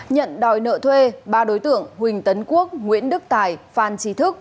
nhận đòi nợ thuê ba đối tượng huỳnh tấn quốc nguyễn đức tài phan trí thức